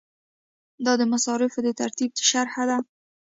دا د مصارفو د ترتیب شرحه ده.